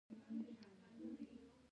پسه د افغانستان د جغرافیوي تنوع یو مثال دی.